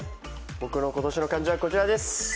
僕の今年の漢字はこちらです。